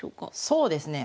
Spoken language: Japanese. そうですね